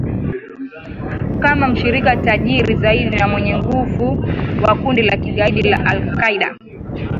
kama mshirika tajiri zaidi na mwenye nguvu wa kundi la kigaidi la al Qaida